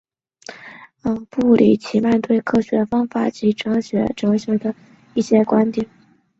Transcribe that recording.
布里奇曼对科学方法及科学哲学的一些观点有相当广泛的着述。